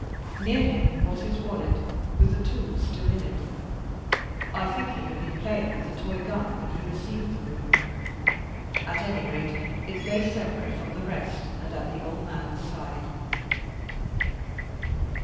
Near him was his wallet, with the tools still in it; I think he had been playing with the toy gun when he received the wound; at any rate it lay separate from the rest, and at the old man's side.